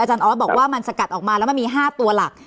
อาจารย์อ้อธบอกว่ามันจะกระดับแล้วว่ามี๕ตัวหลัก